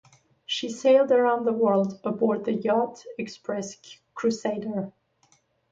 She sailed around the world aboard the yacht "Express Crusader".